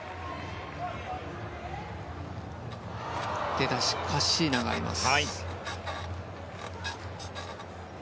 出だしカッシーナがあります。